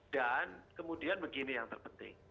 dan kemudian begini yang terpenting